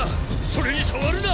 それに触るな！